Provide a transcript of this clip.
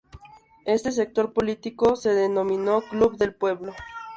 Este sector político se denominó "Club del Pueblo".